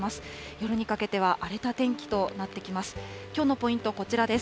夜にかけては荒れた天気となってきます。